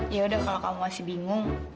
yaudah kalau kamu masih bingung